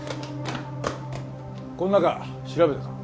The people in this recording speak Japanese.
この中調べたか？